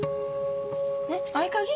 えっ合鍵？